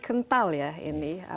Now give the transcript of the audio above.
kental ya ini